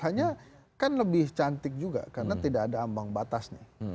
hanya kan lebih cantik juga karena tidak ada ambang batas nih